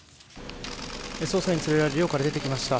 捜査員に連れられて寮から出てきました。